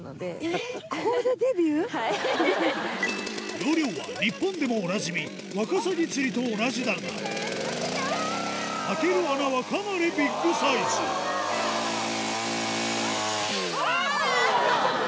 要領は日本でもおなじみワカサギ釣りと同じだが開ける穴はかなりビッグサイズうわぁ！